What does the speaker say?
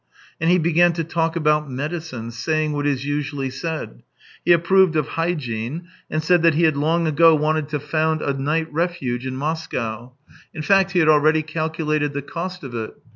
And he began to talk about medicine, saying what is usually said. He approved of hygiene, and said that he had long ago wanted to found a I«2 THE TALES OF TCHEHOV night refuge in Moscow — in fact, he had already calculated the cost of it.